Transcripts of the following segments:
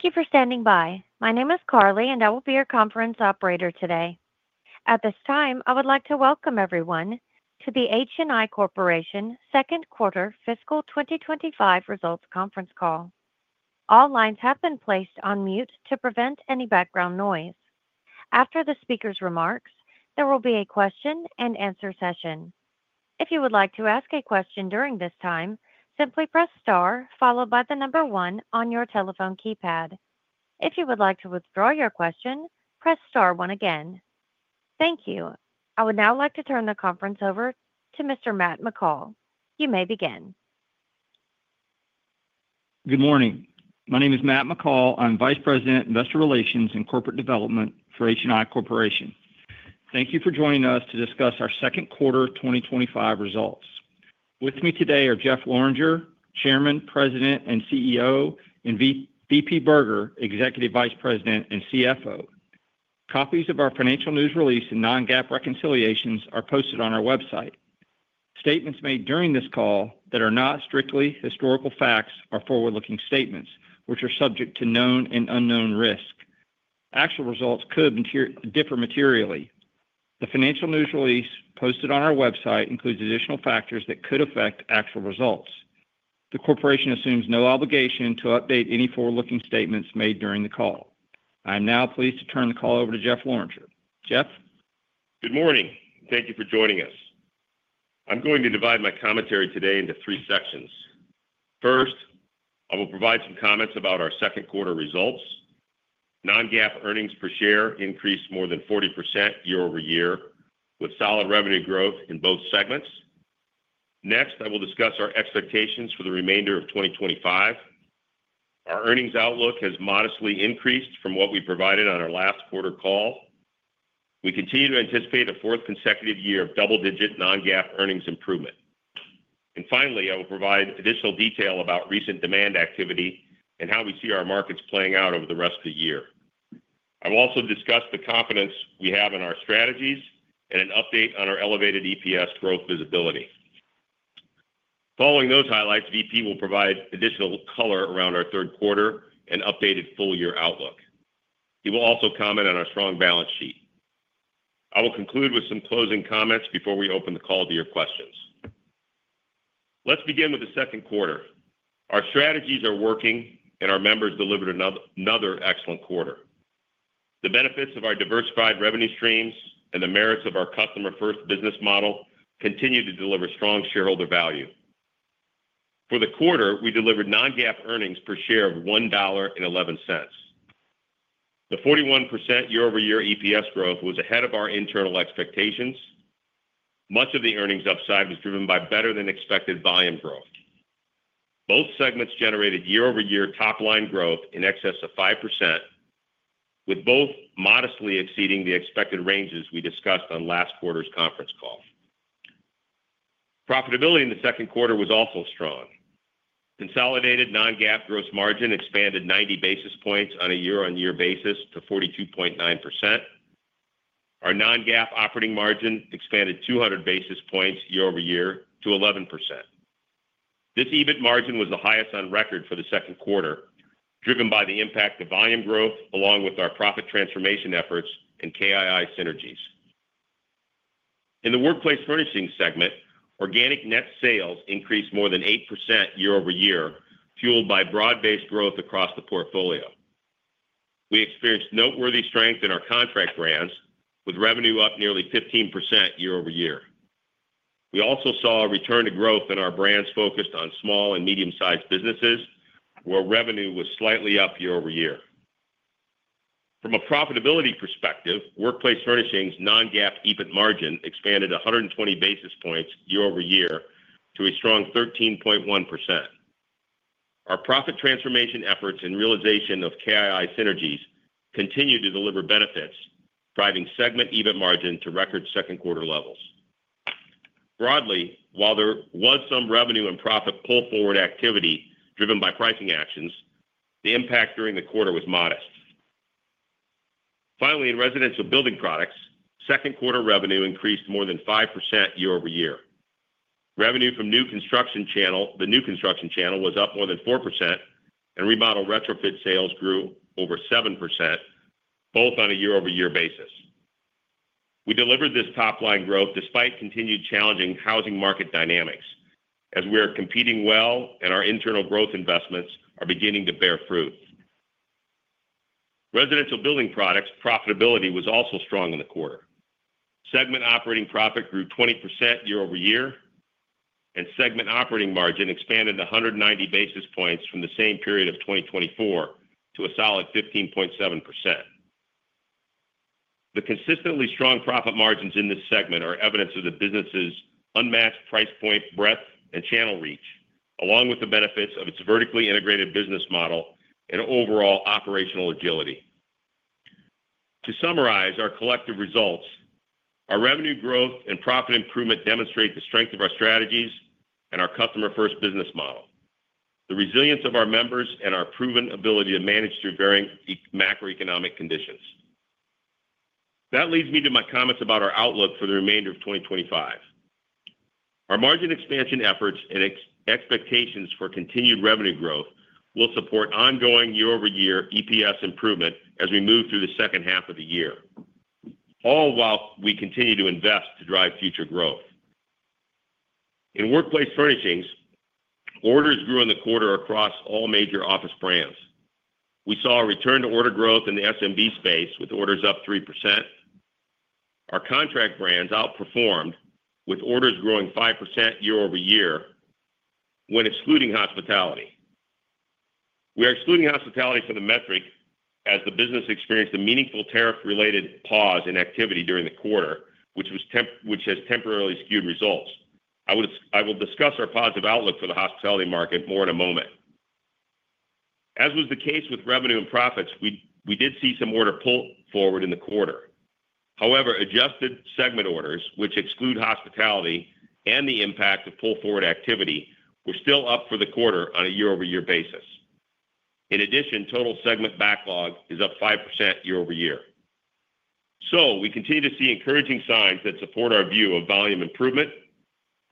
Thank you for standing by. My name is Carli and I will be your conference operator today. At this time I would like to welcome everyone to the HNI Corporation second quarter fiscal 2025 results conference call. All lines have been placed on mute to prevent any background noise. After the speakers' remarks, there will be a question and answer session. If you would like to ask a question during this time, please simply press star followed by the number one on your telephone keypad. If you would like to withdraw your question, press star one again. Thank you. I would now like to turn the conference over to Mr Matt McCall. You may begin. Good morning. My name is Matt McCall. I'm Vice President, Investor Relations and Corporate Development for HNI Corporation. Thank you for joining us to discuss our second quarter 2025 results. With me today are Jeff Lorenger, Chairman, President and CEO, and VP Berger, Executive Vice President and CFO. Copies of our financial news release and non-GAAP reconciliations are posted on our website. Statements made during this call that are not strictly historical facts are forward-looking statements which are subject to known and unknown risk. Actual results could differ materially. The financial news release posted on our website includes additional factors that could affect actual results. The Corporation assumes no obligation to update any forward-looking statements made during the call. I am now pleased to turn the call over to Jeff Lorenger. Jeff. Good morning. Thank you for joining us. I'm going to divide my commentary today into three sections. First, I will provide some comments about our second quarter results. Non-GAAP earnings per share increased more than 40% year-over-year with solid revenue growth in both segments. Next, I will discuss our expectations for the remainder of 2025. Our earnings outlook has modestly increased from what we provided on our last quarter call. We continue to anticipate a fourth consecutive year of double-digit non-GAAP earnings improvement. Finally, I will provide additional detail about recent demand activity and how we see our markets playing out over the rest of the year. I will also discuss the confidence we have in our strategies and an update on our elevated EPS growth visibility. Following those highlights, VP will provide additional color around our third quarter and updated full year outlook. He will also comment on our strong balance sheet. I will conclude with some closing comments before we open the call to your questions. Let's begin with the second quarter. Our strategies are working and our members delivered another excellent quarter. The benefits of our diversified revenue streams and the merits of our customer-first business model continue to deliver strong shareholder value. For the quarter, we delivered non-GAAP earnings per share of $1.11. The 41% year-over-year EPS growth was ahead of our internal expectations. Much of the earnings upside was driven by better than expected volume growth. Both segments generated year-over-year top line growth in excess of 5% with both modestly exceeding the expected ranges we discussed on last quarter's conference call. Profitability in the second quarter was also strong. Consolidated non-GAAP gross margin expanded 90 basis points on a year-on-year basis to 42.9%. Our non-GAAP operating margin expanded 200 basis points year-over-year to 11%. This EBIT margin was the highest on record for the second quarter, driven by the impact of volume growth along with our profit transformation efforts and KII synergies. In the Workplace Furnishings segment, organic net sales increased more than 8% year-over-year, fueled by broad-based growth across the portfolio. We experienced noteworthy strength in our contract brands with revenue up nearly 15% year -ver-year. We also saw a return to growth in our brands focused on small and medium-sized businesses where revenue was slightly up year-over-year. From a profitability perspective, Workplace Furnishings non-GAAP EBIT margin expanded 120 basis points year-over-year to a strong 13.1%. Our profit transformation efforts and realization of KII synergies continue to deliver benefits, driving segment EBIT margin to record second quarter levels. Broadly, while there was some revenue and profit pull forward activity driven by pricing actions, the impact during the quarter was modest. Finally, in Residential Building Products, second quarter revenue increased more than 5% year-over-year. Revenue from the new construction channel was up more than 4% and remodel retrofit sales grew over 7%, both on a year-over-year basis. We delivered this top line growth despite continued challenging housing market dynamics as we are competing well and our internal growth investments are beginning to bear fruit. Residential Building Products profitability was also strong in the quarter. Segment operating profit grew 20% year-over-year and segment operating margin expanded 190 basis points from the same period of 2024 to a solid 15.7%. The consistently strong profit margins in this segment are evidence of the business's unmatched price point breadth and channel reach, along with the benefits of its vertically integrated business model and overall operational agility. To summarize our collective results, our revenue growth and profit improvement demonstrate the strength of our strategies and our customer-first business model, the resilience of our members, and our proven ability to manage through varying macroeconomic conditions. That leads me to my comments about our outlook for the remainder of 2025. Our margin expansion efforts and expectations for continued revenue growth will support ongoing year-over-year EPS improvement as we move through the second half of the year, all while we continue to invest to drive future growth in Workplace Furnishings. Orders grew in the quarter across all major office brands. We saw a return to order growth in the SMB space with orders up 3%. Our contract brands outperformed with orders growing 5% year-over-year. When excluding hospitality, we are excluding hospitality for the metric as the business experienced a meaningful tariff-related pause in activity during the quarter, which has temporarily skewed results. I will discuss our positive outlook for the hospitality market more in a moment. As was the case with revenue and profits, we did see some order pull forward in the quarter. However, adjusted segment orders, which exclude hospitality and the impact of pull forward activity, were still up for the quarter on a year-over-year basis. In addition, total segment backlog is up 5% year-over-year, so we continue to see encouraging signs that support our view of volume improvement.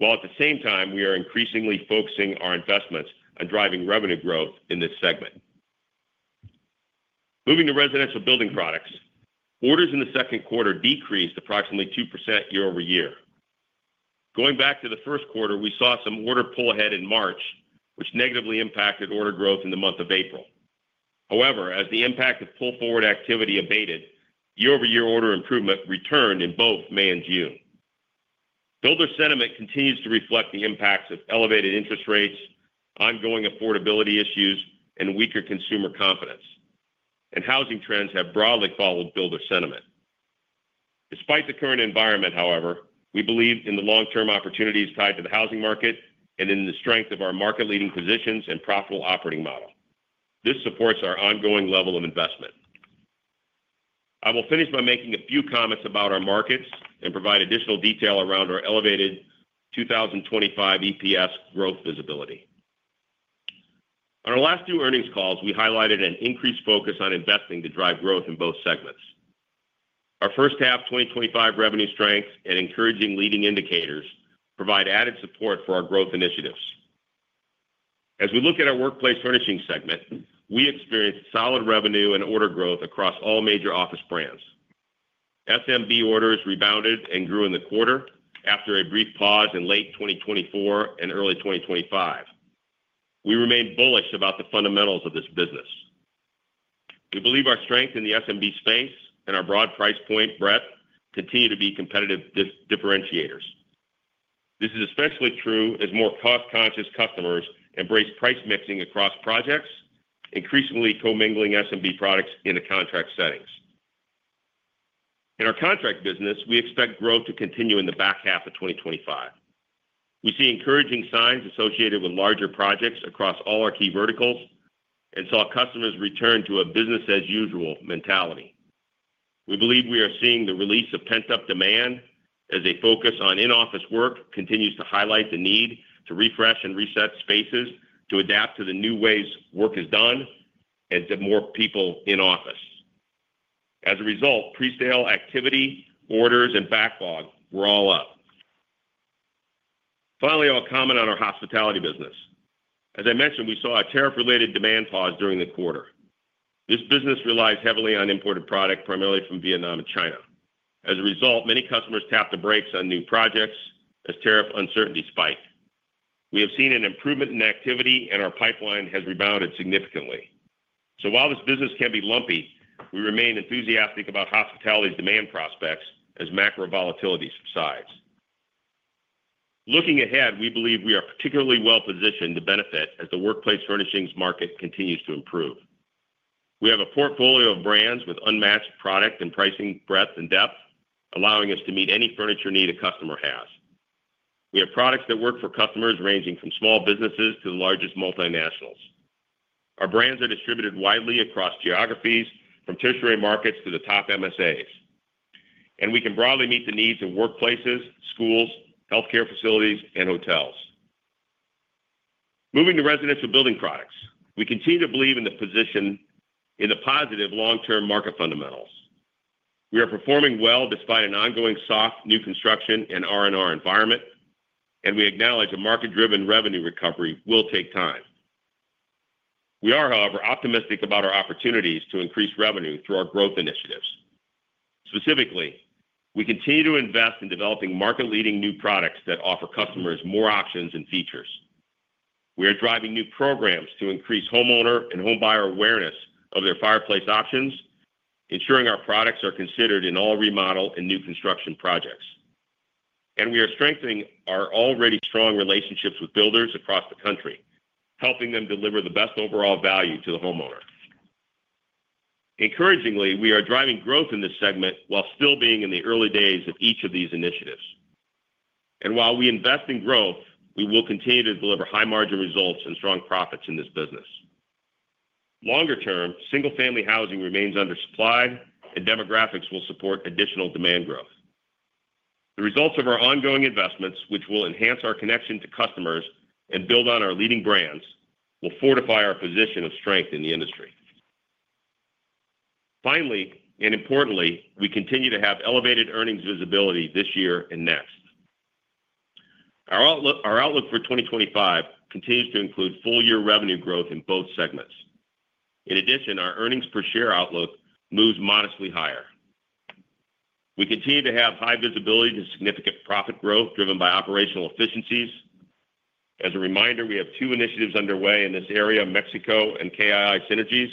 At the same time, we are increasingly focusing our investments on driving revenue growth in this segment. Moving to Residential Building Products, orders in the second quarter decreased approximately 2% year-over-year. Going back to the first quarter, we saw some order pull ahead in March, which negatively impacted order growth in the month of April. However, as the impact of pull forward activity abated year-over-year, order improvement returned in both May and June. Builder sentiment continues to reflect the impacts of elevated interest rates, ongoing affordability issues, and weaker consumer confidence, and housing trends have broadly followed builder sentiment despite the current environment. However, we believe in the long-term opportunities tied to the housing market and in the strength of our market-leading positions and profitable operating model. This supports our ongoing level of investment. I will finish by making a few comments about our markets and provide additional detail around our elevated 2025 EPS growth visibility. On our last two earnings calls, we highlighted an increased focus on investing to drive growth in both segments. Our first half 2025 revenue strength and encouraging leading indicators provide added support for our growth initiatives. As we look at our Workplace Furnishings segment, we experienced solid revenue and order growth across all major office brands. SMB orders rebounded and grew in the quarter. After a brief pause in late 2024 and early 2025, we remain bullish about the fundamentals of this business. We believe our strength in the SMB space and our broad price point breadth continue to be competitive differentiators. This is especially true as more cost-conscious customers embrace price mixing across projects, increasingly commingling SMB products into contract settings. In our contract business, we expect growth to continue in the back half of 2025. We see encouraging signs associated with larger projects across all our key verticals and saw customers return to a business-as-usual mentality. We believe we are seeing the release of pent-up demand as a focus on in-office work continues to highlight the need to refresh and reset spaces to adapt to the new ways work is done and to more people in office. As a result, pre-sale activity, orders, and backlog were all up. Finally, I'll comment on our hospitality business. As I mentioned, we saw a tariff-related demand pause during the quarter. This business relies heavily on imported product, primarily from Vietnam and China. As a result, many customers tapped the brakes on new projects as tariff uncertainty spiked. We have seen an improvement in activity and our pipeline has rebounded significantly. While this business can be lumpy, we remain enthusiastic about hospitality demand prospects as macro volatility subsides. Looking ahead, we believe we are particularly well positioned to benefit as the Workplace Furnishings market continues to improve. We have a portfolio of brands with unmatched product and pricing breadth and depth, allowing us to meet any furniture need a customer has. We have products that work for customers ranging from small businesses to the largest multinationals. Our brands are distributed widely across geographies, from tertiary markets to the top MSAs, and we can broadly meet the needs of workplaces, schools, healthcare facilities, and hotels. Moving to Residential Building Products, we continue to believe in the position in the positive long-term market fundamentals. We are performing well despite an ongoing soft new construction and R&R environment, and we acknowledge a market-driven revenue recovery will take time. We are, however, optimistic about our opportunities to increase revenue through our growth initiatives. Specifically, we continue to invest in developing market-leading new products that offer customers more options and features. We are driving new programs to increase homeowner and homebuyer awareness of their fireplace options, ensuring our products are considered in all remodel and new construction projects. We are strengthening our already strong relationships with builders across the country, helping them deliver the best overall value to the homeowner. Encouragingly, we are driving growth in this segment while still being in the early days of each of these initiatives. While we invest in growth, we will continue to deliver high-margin results and strong profits in this business. Longer term, single family housing remains under supply and demographics will support additional demand growth. The results of our ongoing investments, which will enhance our connection to customers and build on our leading brands, will fortify our position of strength in the industry. Finally, and importantly, we continue to have elevated earnings visibility this year and next. Our outlook for 2025 continues to include full year revenue growth in both segments. In addition, our earnings per share outlook moves modestly higher. We continue to have high visibility to significant profit growth driven by operational efficiencies. As a reminder, we have two initiatives underway in this area Mexico and KII synergies.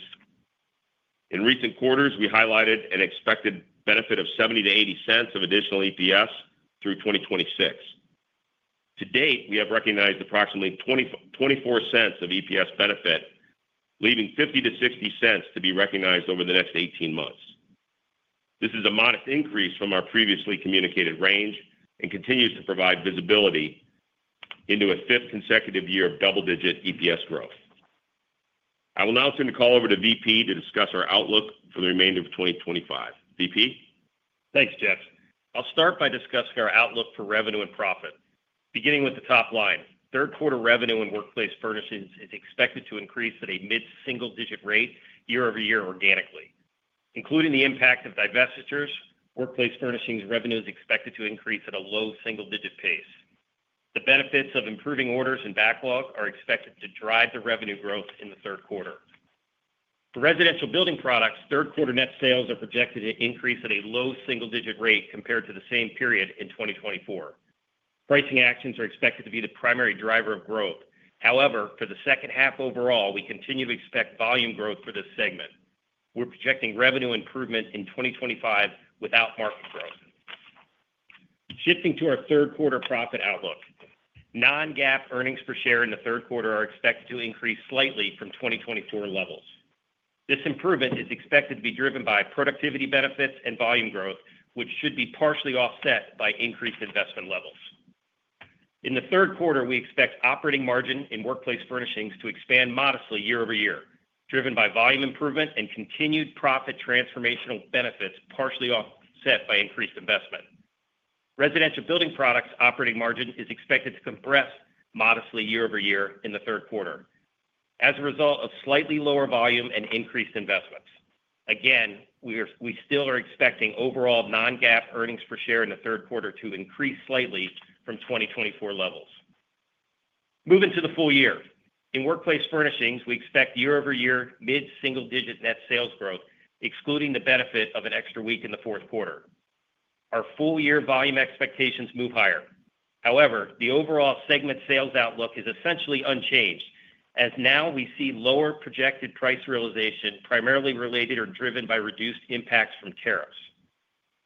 In recent quarters, we highlighted an expected benefit of $0.70-$0.80 of additional EPS through 2026. To date, we have recognized approximately $0.24 of EPS benefit, leaving $0.50-$0.60 to be recognized over the next 18 months. This is a modest increase from our previously communicated range and continues to provide visibility into a fifth consecutive year of double digit EPS growth. I will now turn the call over to VP to discuss our outlook for the remainder of 2025. VP. Thanks Jeff. I'll start by discussing our outlook for revenue and profit, beginning with the top line. Third quarter revenue in Workplace Furnishings is expected to increase at a mid single digit rate year-over-year organically, including the impact of divestitures. Workplace Furnishings revenue is expected to increase at a low single digit pace. The benefits of improving orders and backlog are expected to drive the revenue growth in the third quarter. For Residential Building Products, third quarter net sales are projected to increase at a low single digit rate compared to the same period in 2024. Pricing actions are expected to be the primary driver of growth. However, for the second half overall, we continue to expect. Volume growth for this segment. We're projecting revenue improvement in 2025 without market growth, shifting to our third quarter profit outlook. Non-GAAP earnings per share in the third quarter are expected to increase slightly from 2024 levels. This improvement is expected to be driven by productivity benefits and volume growth, which should be partially offset by increased investment levels. In the third quarter, we expect operating margin in Workplace Furnishings to expand modestly year-over-year, driven by volume improvement and continued profit transformational benefits, partially offset by increased investment. Residential Building Products operating margin is expected to compress modestly year-over-year in the third quarter as a result of slightly lower volume and increased investments. Again, we still are expecting overall non-GAAP earnings per share in the third quarter to increase slightly from 2024 levels. Moving to the full year, in Workplace Furnishings, we expect year-over-year mid-single digit net sales growth, excluding the benefit of an extra week in the fourth quarter. Our full year volume expectations move higher. However, the overall segment sales outlook is essentially unchanged as now we see lower projected price realization, primarily related or driven by reduced impacts from tariffs.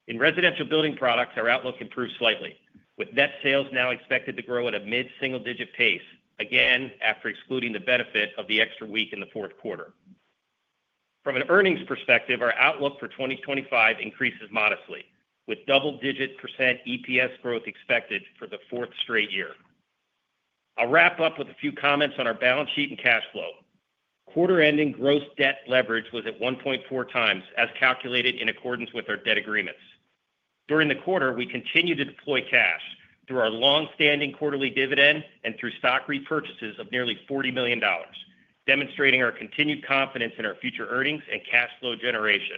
In Residential Building Products, our outlook improves slightly with net sales now expected to grow at a mid-single digit pace, again after excluding the benefit of the extra week in the fourth quarter. From an earnings perspective, our outlook for 2025 increases modestly with double-digit % EPS growth expected for the fourth straight year. I'll wrap up with a few comments on our balance sheet and cash flow. Quarter ending gross debt leverage was at 1.4x as calculated in accordance with our debt agreements. During the quarter, we continued to deploy cash through our long standing quarterly dividend and through stock repurchases of nearly $40 million, demonstrating our continued confidence in our future earnings and cash flow generation.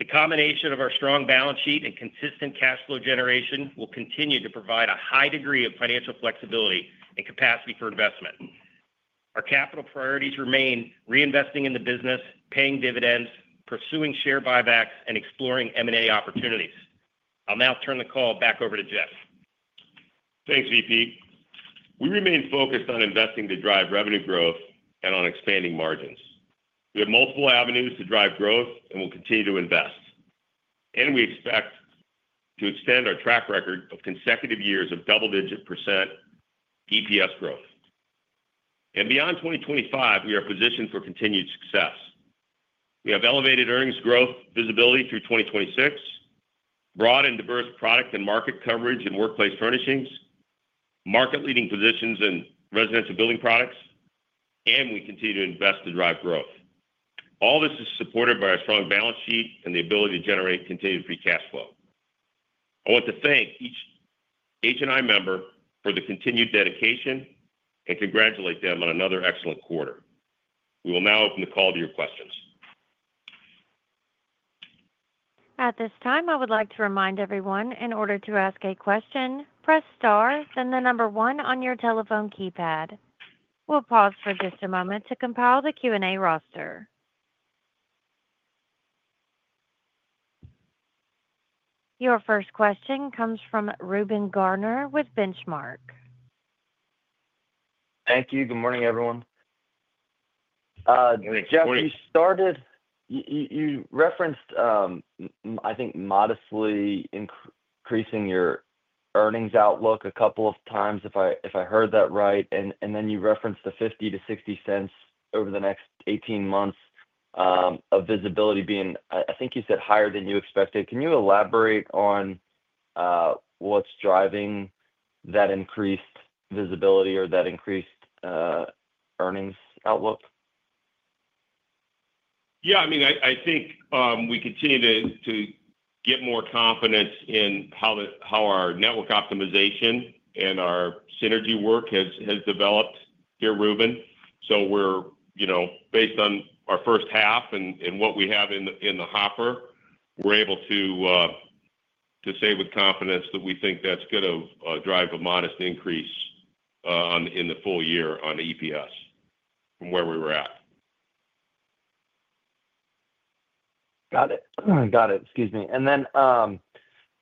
The combination of our strong balance sheet and consistent cash flow generation will continue to provide a high degree of financial flexibility and capacity for investment. Our capital priorities remain reinvesting in the business, paying dividends, pursuing share buybacks, and exploring M&A opportunities. I'll now turn the call back over to Jeff. Thanks, VP. We remain focused on investing to drive revenue growth and on expanding margins. We have multiple avenues to drive growth, and we'll continue to invest, and we expect to extend our track record of consecutive years of double-digit % EPS growth and beyond 2025. We are positioned for continued success. We have elevated earnings growth visibility through 2026, broad and diverse product and market coverage, and Workplace Furnishings market-leading positions in Residential Building Products, and we continue to invest to drive growth. All this is supported by our strong balance sheet and the ability to generate continued free cash flow. I want to thank each HNI member for the continued dedication and congratulate them on another excellent quarter. We will now open the call to your questions. At this time, I would like to remind everyone in order to ask a question, press star, then the number one on your telephone keypad. We'll pause for just a moment to compile the Q&A roster. Your first question comes from Reuben Garner with Benchmark. Thank you. Good morning, everyone. Jeff, you referenced, I think, modestly increasing your earnings outlook a couple of times if I heard that right. You referenced the $0.50-$0.60 over the next 18 months of visibility being, I think you said, higher than you expected. Can you elaborate on what's driving that increased visibility or that increased earnings outlook? Yeah, I mean I think we continue to get more confidence in how our network optimization and our synergy work has developed here, Reuben. Based on our first half and what we have in the hopper, we're able to say with confidence that we think that's going to drive a modest increase in the full year on EPS from where we were at. Got it, got it. Excuse me.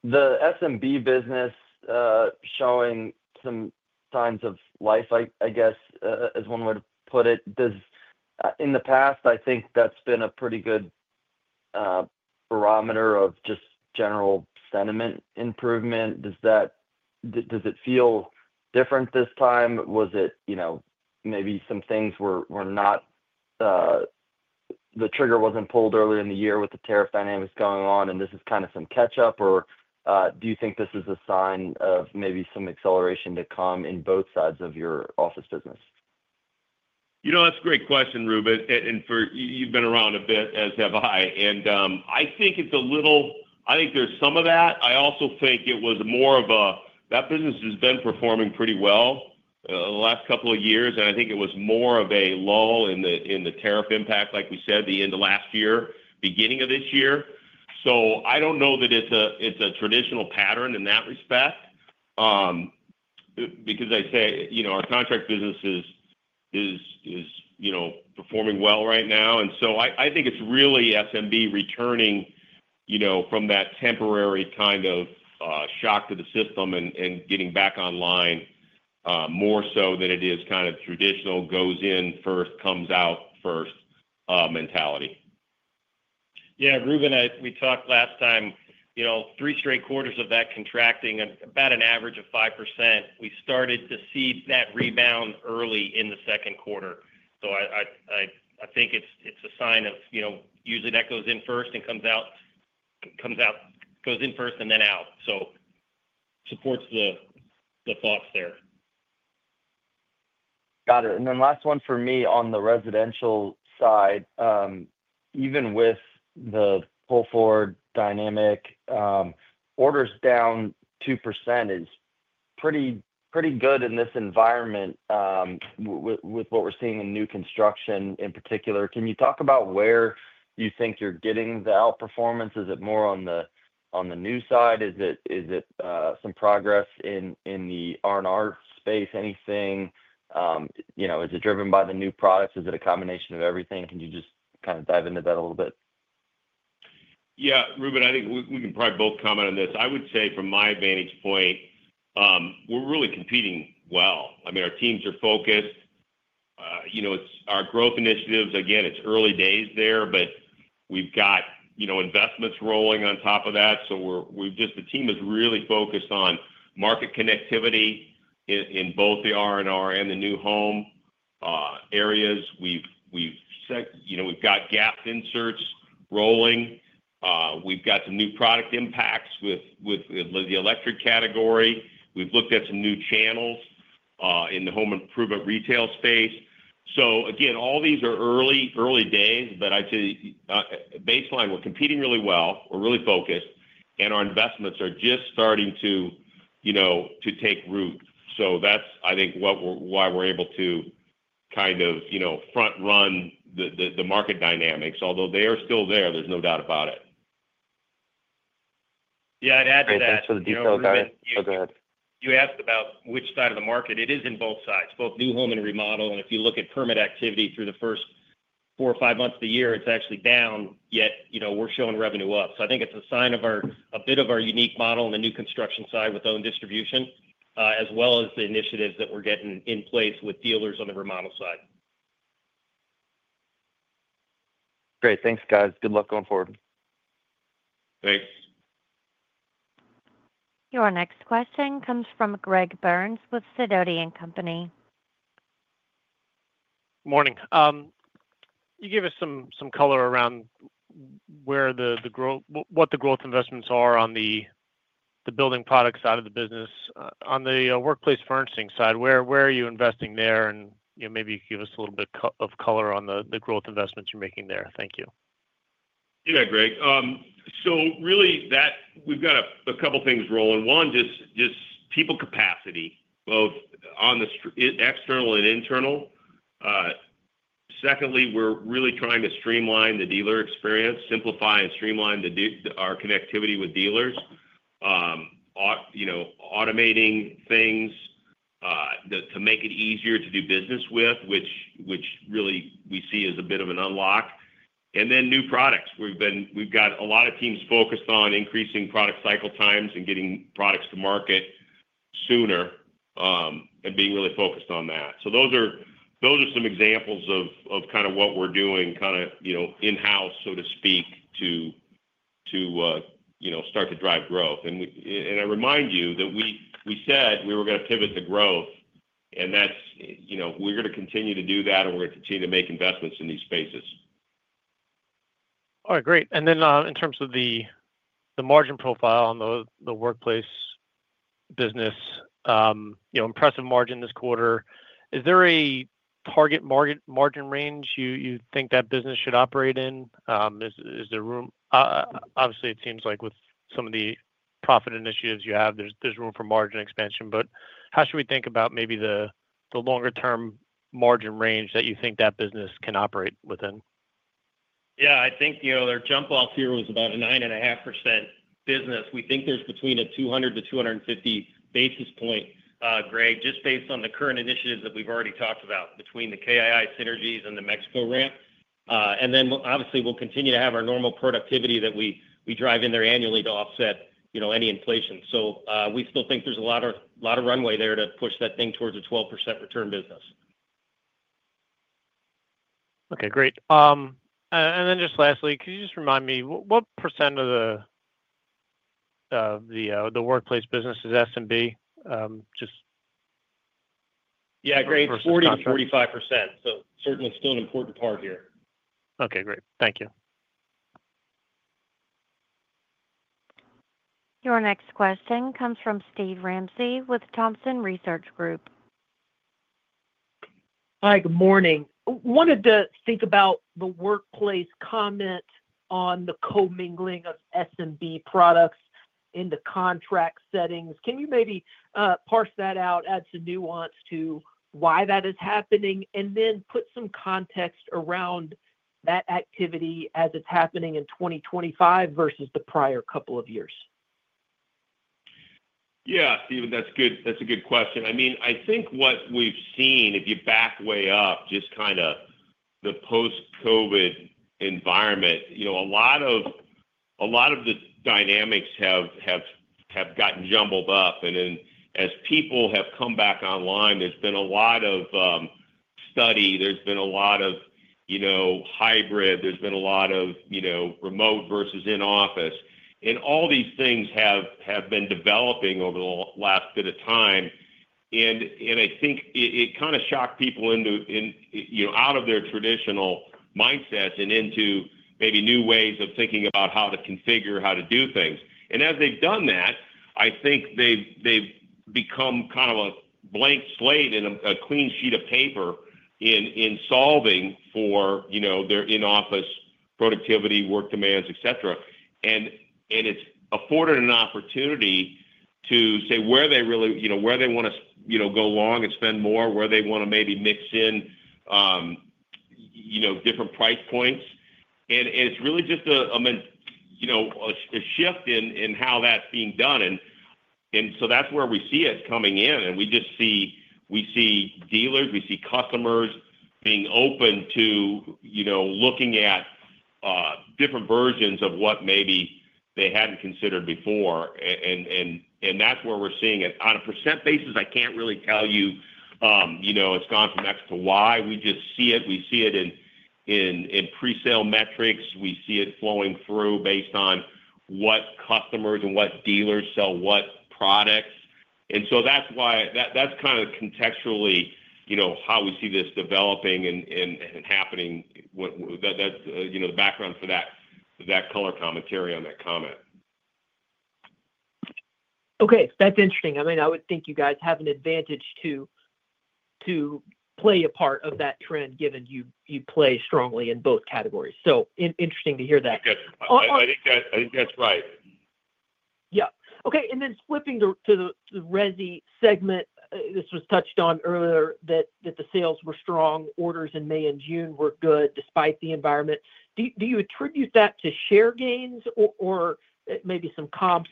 The SMB business is showing some signs of life, I guess, as one would put it does in the past. I think that's been a pretty good barometer of just general sentiment improvement. Does it feel different this time? Was it, you know, maybe some things were not. The trigger wasn't pulled earlier. In the year with the tariff dynamics going on, is this kind of some catch up, or do you think this is a sign of maybe some acceleration to come in both sides of your office business? That's a great question, Reuben. You've been around a bit, as have I, and I think there's some of that. I also think it was more of a, that business has been performing pretty well the last couple of years and I think it was more of a lull in the tariff impact like we said, the end of last year, beginning of this year. I don't know that it's a traditional pattern in that respect because I say, you know, our contract brands are performing well right now. I think it's really SMB returning from that temporary kind of shock to the system and getting back online more so than it is kind of traditional, goes in first, comes out first mentality. Yeah, Reuben, we talked last time, you know, three straight quarters of that contracting about an average of 5%. We started to see that rebound early in the second quarter. I think it's a sign of. Usually that goes in first and comes out, goes in first and then out. Supports the fox there. Got it. Last one for me on the residential side, even with the pull forward dynamic, orders down 2% is pretty good in this environment with what we're seeing in new construction in particular. Can you talk about where you think you're getting the outperformance? Is it more on the new side? Is it some progress in the R and R space? Is it driven by the new products? Is it a combination of everything? Can you just kind of dive into that? Yeah, Reuben, I think we can probably both comment on this. I would say from my vantage point, we're really competing well. I mean, our teams are focused, you know, it's our growth initiatives again, it's early days there, but we've got, you know, investments rolling on top of that. We're really focused on market connectivity in both the R&R and the new home areas. We've got fireplace inserts rolling. We've got some new product impacts with the electric category. We've looked at some new channels in the home improvement retail space. All these are early days, but I'd say baseline, we're competing really well, we're really focused, and our investments are just starting to take root. I think that's why we're able to kind of front run the market dynamics, although they are still there, there's no doubt about it. Yeah. You asked about which side of the market it is in, both sides, both new home and remodel. If you look at permit activity through the first four or five months of the year, it's actually down. Yet, you know, we're showing revenue up. I think it's a sign of our, a bit of our unique model in the new construction side with own distribution, as well as the initiatives that we're getting in place with dealers on the remodel side. Great. Thanks, guys. Good luck going forward. Thanks. Your next question comes from Greg Burns with Sidoti & Company. Morning. You gave us some color around what the growth investments are on the building product side of the business. On the workplace furnishing side, where are you investing there? Maybe you could give us a little bit of color on the growth investments you're making there. Thank you. Yeah, Greg, we've got a couple things rolling. One, just people capacity, both on the external and internal. Secondly, we're really trying to streamline the dealer experience, simplify and streamline our connectivity with dealers, automating things to make it easier to do business with, which we see as a bit of an unlock. New products, we've got a lot of teams focused on increasing product cycle times and getting products to market sooner and being really focused on that. Those are some examples of what we're doing in house, so to speak, to start to drive growth. I remind you that we said we were going to pivot to growth and that's what we're going to continue to do and we're going to continue to make investments in these spaces. All right, great. In terms of the margin profile on the Workplace business, impressive margin this quarter. Is there a target margin range you think that business should operate in? Is there room? Obviously, it seems like with some of the profit initiatives you have, there's room for margin expansion. How should we think about maybe the longer term margin range that you think that business can operate with? Yeah, I think their jump off here was about a 9.5% business. We think there's between a 200 basis point-250 basis point, Greg, just based on the current initiatives that we've already talked about between the KII synergies and the Mexico ramp. Obviously, we'll continue to have our normal productivity that we drive in there annually to offset any inflation. We still think there's a lot of runway there to push that thing towards a 12% return business. Okay, great. Lastly, could you just remind me what percent of the Workplace business is SMB just. Yeah, great. 40%-45%. Certainly still an important part here. Okay, great. Thank you. Your next question comes from Steven Ramsey with Thompson Research Group. Hi, good morning. Wanted to think about the workplace comment on the commingling of SMB products in the contract settings. Can you maybe parse that out, add some nuance to why that is happening, and then put some context around that activity as it's happening in 2025 versus the prior couple of years? Yeah, Steven, that's good. That's a good question. I mean, I think what we've seen, if you back way up, just kind of the post-COVID environment, a lot of the dynamics have gotten jumbled up. As people have come back online, there's been a lot of study, there's been a lot of hybrid, there's been a lot of remote versus in office. All these things have been developing over the last bit of time. I think it kind of shocked people out of their traditional mindsets and into maybe new ways of thinking about how to configure, how to do things. As they've done that, I think they've become kind of a blank slate and a clean sheet of paper in solving for their in office productivity, work demands, et cetera. It's afforded an opportunity to say where they really want to go long and spend more, where they want to maybe mix in different price points. It's really just a shift in how that's being done. That's where we see it coming in. We see dealers, we see customers being open to looking at different versions of what maybe they hadn't considered before. That's where we're seeing it on a % basis. I can't really tell you. It's gone from X to Y. We just see it, we see it in pre sale metrics. We see it flowing through based on what customers and what dealers sell what products. That's why that's kind of contextually how we see this developing and happening. The background for that, that color commentary on that comment. Okay, that's interesting. I would think you guys have an advantage to play a part of that trend, given you play strongly in both categories. Interesting to hear that. I think that's right. Okay. Flipping to the resi segment, this was touched on earlier, that the sales were strong. Orders in May and June were good despite the environment. Do you attribute that to share gains or maybe some comps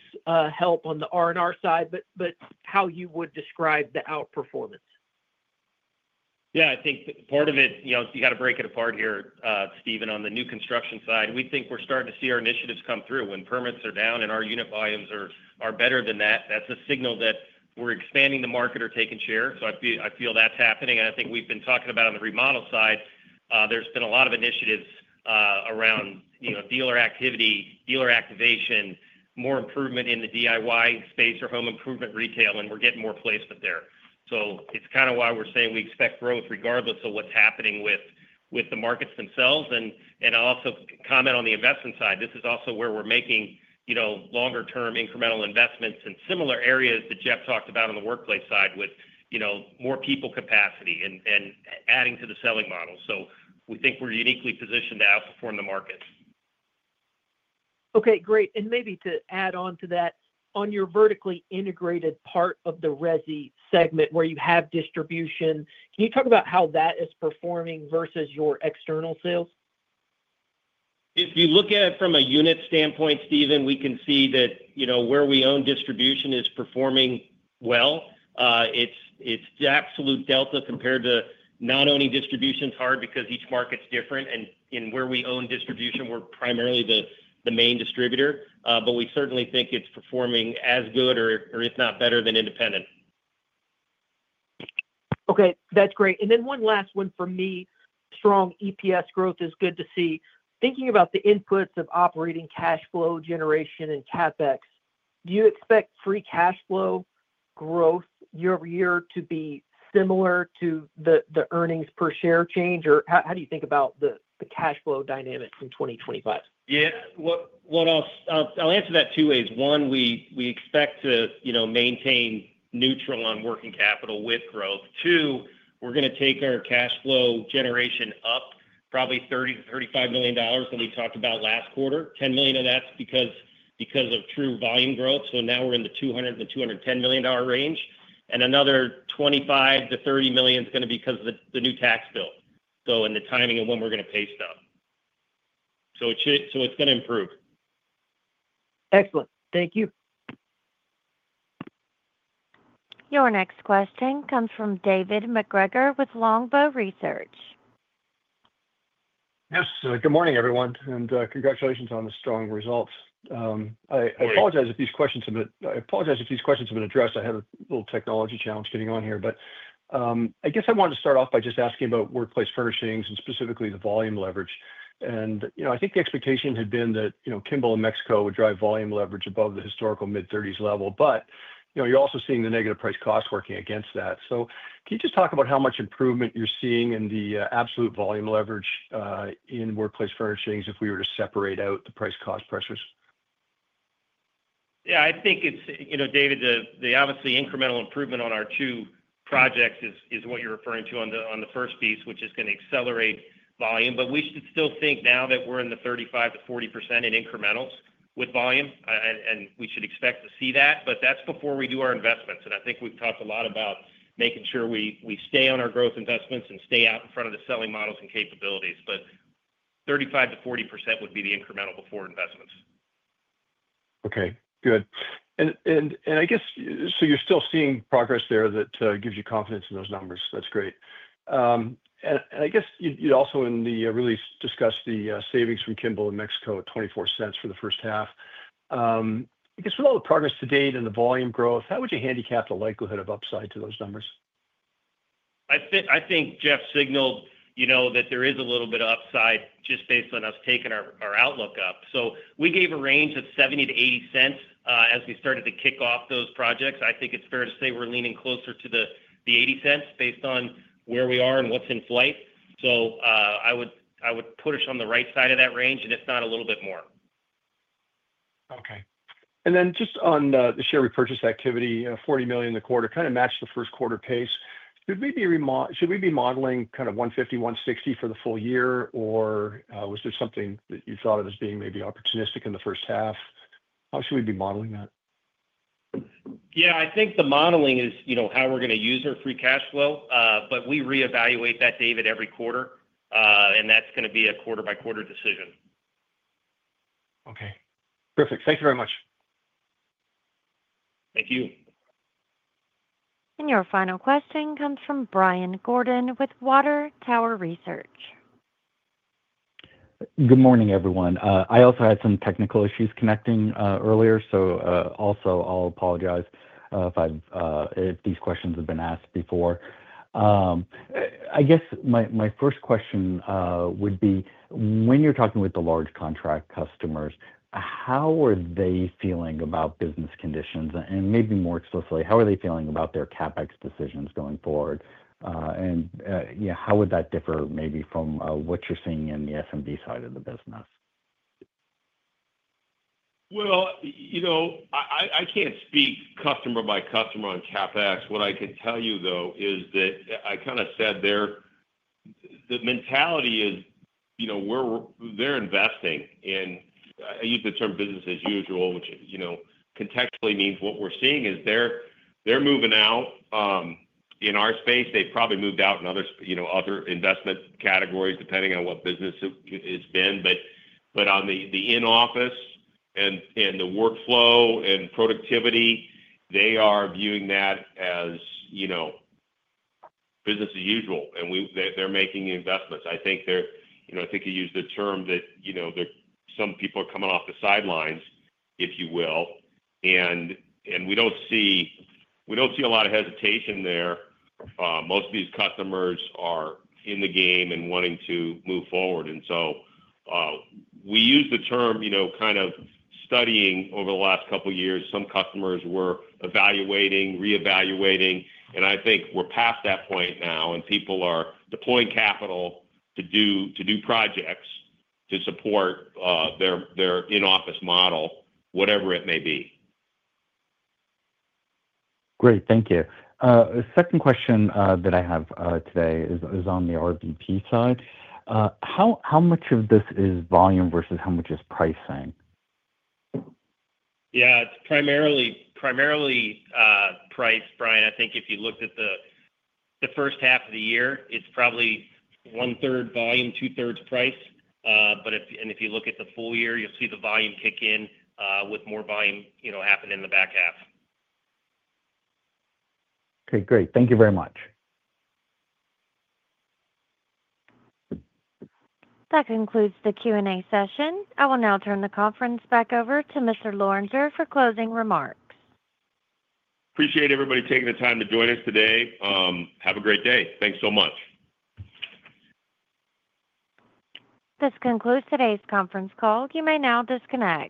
help on the R&R side, but how you would describe the outperformance? Yeah, I think part of it. You got to break it apart here, Steven. On the new construction side, we think we're starting to see our initiatives come through. When permits are down and our unit volumes are better than that, that's a signal that we're expanding the market or taking share. I feel that's happening. I think we've been talking about on the remodel side, there's been a lot of initiatives around dealer activity, dealer activation, more improvement in the DIY space or home improvement retail, and we're getting more placement there. That's kind of why we're saying we expect growth regardless of what's happening with the markets themselves. I'll also comment on the investment side. This is also where we're making longer term incremental investments in similar areas that Jeff talked about on the workplace side with more people capacity and adding to the selling model. We think we're uniquely positioned to outperform the market. Okay, great. Maybe to add on to that, on your vertically integrated part of the Resi segment where you have distribution, can you talk about how that is performing versus your external sales? If you look at it from a unit standpoint, Steven, we can see that where we own distribution is performing well. Its absolute delta compared to not owning distribution is hard because each market's different. In where we own distribution, we're primarily the main distributor, but we certainly think it's performing as good or if not better than independent. Okay. That's great. One last one for me, strong EPS growth is good to see. Thinking about the inputs of operating cash flow generation and CapEx, do you expect free cash flow growth year-over-year to be similar to the earnings per share change or how do you think about the cash flow dynamics in 2025? Yeah, I'll answer that two ways. One, we expect to maintain neutral on working capital with growth. Two, we're going to take our cash flow generation up probably $30-$35 million that we talked about last quarter. $10 million of that because of true volume growth. Now we're in the $200-$210 million range, and another $25-$30 million is going to be because of the new tax bill and the timing of when we're going to pay stuff. It's going to improve. Excellent. Thank you. Your next question comes from David MacGregor with Longbow Research. Yes, good morning everyone and congratulations on the strong results. I apologize if these questions have been addressed. I had a little technology challenge getting on here, but I guess I wanted to start off by just asking about Workplace Furnishings and specifically the volume leverage. I think the expectation had been that, you know, Kimball in Mexico would drive volume leverage above the historical mid-30s level. You know, you're also seeing the negative price costs working against that. Can you just talk about how much improvement you're seeing in the absolute volume leverage in Workplace Furnishings if we were to separate out the price cost pressures? Yeah, I think it's, you know, David, the obviously incremental improvement on our two projects is what you're referring to on the first piece, which is going to accelerate volume. We should still think now that we're in the 35%-40% in incrementals with volume, and we should expect to see that. That's before we do our investments. I think we've talked a lot. Making sure we stay on our growth investments and stay out in front of the selling models and capabilities. 35%-40% would be the incremental before investments. Okay, good. You're still seeing progress there. That gives you confidence in those numbers. That's great. You also in the release discussed the savings from Kimball in Mexico at $0.24 for the first half. With all the progress to date and the volume growth, how would you handicap the likelihood of upside to those numbers? I think Jeff signaled that there is a little bit of upside just based on us taking our outlook up. We gave a range of $0.70-$0.80 as we started to kick off those projects. I think it's fair to say we're leaning closer to the $0.80 based on where we are and what's in flight. I would put us on the right side of that range, if not a little bit more. Okay. Just on the share repurchase activity, $40 million in the quarter kind of matched the first quarter pace. Should we be modeling kind of $150 million, $160 million for the full year, or was there something that you thought of as being maybe opportunistic in the first half? How should we be modeling that? I think the modeling is, you know, how we're going to use our free cash flow. We reevaluate that, David, every quarter, and that's going to be a quarter by quarter decision. Okay, perfect. Thank you very much. Thank you. Your final question comes from Brian Gordon with Water Tower Research. Good morning, everyone. I also had some technical issues connecting earlier, so I'll apologize if these questions have been asked before. I guess my first question would be when you're talking with the large contract customers, how are they feeling about business conditions and maybe more explicitly, how are they feeling about their CapEx decisions going forward? How would that differ maybe from what you're seeing in the SMB side of the business? I can't speak customer by customer on CapEx. What I can tell you, though, is that I kind of said the mentality is they're investing in, I use the term business as usual, which contextually means what we're seeing is they're moving out in our space. They probably moved out in other investment categories, depending on what business it's been. On the in office and the workflow and productivity, they are viewing that as business as usual and they're making investments. I think you use the term that some people are coming off the sidelines, if you will, and we don't see a lot of hesitation there. Most of these customers are in the game and wanting to move forward. We use the term kind of studying. Over the last couple years, some customers were evaluating, reevaluating, and I think we're past that point now. People are deploying capital to do projects to support their in office model, whatever it may be. Great. Thank you. Second question that I have today is on the RBP side, how much of this is volume versus how much is pricing? Yeah, it's primarily price, Brian. I think if you looked at the first half of the year, it's probably one third volume, two thirds price. If you look at the full year, you'll see the volume kick in with more volume happen in the back half. Okay, great. Thank you very much. That concludes the Q&A session. I will now turn the conference back over to Mr Lorenger for closing remarks. Appreciate everybody taking the time to join us today. Have a great day. Thanks so much. This concludes today's conference call. You may now disconnect.